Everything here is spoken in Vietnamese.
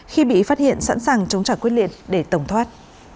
khi bị phát hiện sẵn sàng chống trả quyết liệt để tổng thoát